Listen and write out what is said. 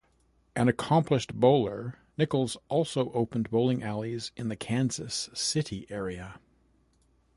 An accomplished bowler, Nichols also opened bowling alleys in the Kansas City area.